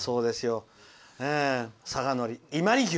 「佐賀のり、伊万里牛」。